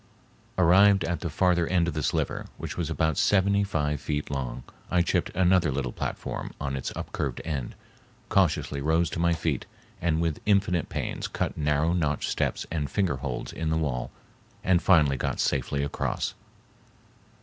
Arrived at the farther end of the sliver, which was about seventy five feet long, I chipped another little platform on its upcurved end, cautiously rose to my feet, and with infinite pains cut narrow notch steps and finger holds in the wall and finally got safely across.